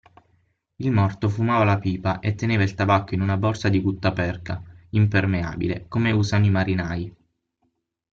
Il morto fumava la pipa e teneva il tabacco in una borsa di guttaperca impermeabile, come usano i marinai.